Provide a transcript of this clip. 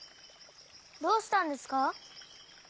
どうしたんですか？